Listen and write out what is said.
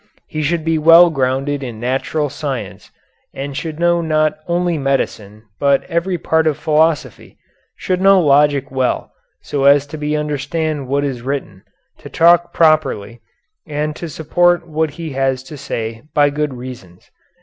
He should be well grounded in natural science, and should know not only medicine but every part of philosophy; should know logic well, so as to be able to understand what is written, to talk properly, and to support what he has to say by good reasons."